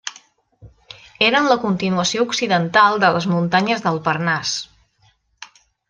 Eren la continuació occidental de les muntanyes del Parnàs.